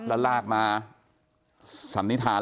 แล้วลากมาสันนิษฐาน